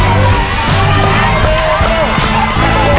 เร็วเร็วเร็ว